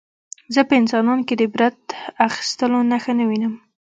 زه په انسانانو کې د عبرت اخیستلو نښه نه وینم